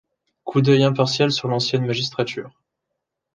Coup d’œil impartial sur l’ancienne magistrature